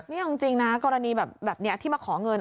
นี่เอาจริงนะกรณีแบบนี้ที่มาขอเงิน